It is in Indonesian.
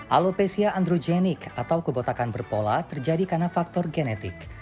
alopecia androgenik atau kebotakan berpola terjadi karena faktor genetik